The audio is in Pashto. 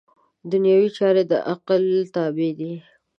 دنیوي چارې د عقل تابع دي.